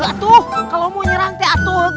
kalau kamu mau menyerang aku